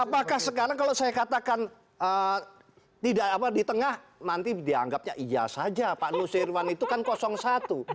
apakah sekarang kalau saya katakan tidak apa di tengah nanti dianggapnya iya saja pak nusirwan itu kan kosong satu